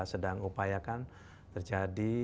sedang upayakan terjadi